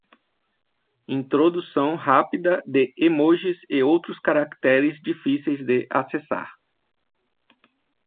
Introdução rápida de emojis e outros caracteres difíceis de acessar.